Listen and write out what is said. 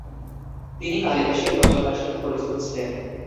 তিনি কালিদাসের রচনার সাথে পরিচিত ছিলেন।